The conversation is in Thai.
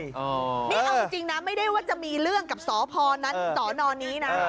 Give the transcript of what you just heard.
นี่เอาจริงนะไม่ได้ว่าจะมีเรื่องกับสพนั้นสนนี้นะ